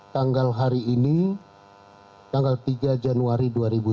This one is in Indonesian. tanggal hari ini tanggal tiga januari dua ribu tujuh belas